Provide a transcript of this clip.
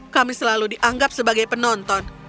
kami selalu dianggap sebagai penonton